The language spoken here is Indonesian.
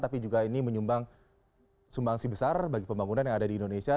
tapi juga ini menyumbang sumbangsi besar bagi pembangunan yang ada di indonesia